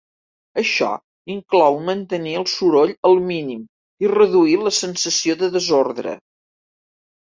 Això inclou mantenir el soroll al mínim i reduir la sensació de desordre.